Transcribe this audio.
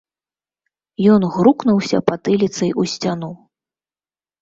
Ён грукнуўся патыліцай у сцяну.